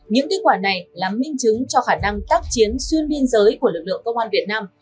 những kết quả này là minh chứng cho khả năng tác chiến xuyên biên giới của lực lượng công an việt nam